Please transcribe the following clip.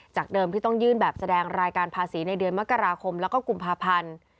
เดิมที่ต้องยื่นแบบแสดงรายการภาษีในเดือนมกราคมแล้วก็กุมภาพันธ์